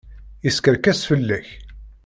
Yeskerkes fell-ak.